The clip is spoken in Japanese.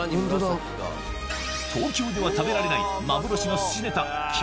東京では食べられないフフ。